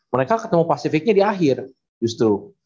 mereka ketemu pasifiknya di akhir justru